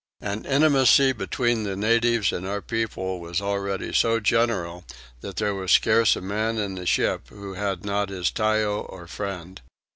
An intimacy between the natives and our people was already so general that there was scarce a man in the ship who had not his tyo or friend.